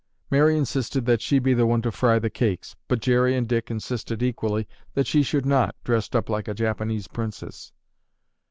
Mary insisted that she be the one to fry the cakes, but Jerry and Dick insisted equally, that she should not, dressed up like a Japanese princess.